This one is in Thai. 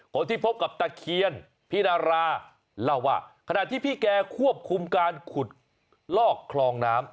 พบกับตะเคียนพี่นาราเล่าว่าขณะที่พี่แกควบคุมการขุดลอกคลองน้ำ